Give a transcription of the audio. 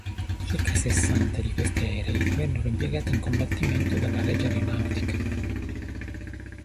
Circa sessanta di questi aerei vennero impiegati in combattimento dalla Regia Aeronautica.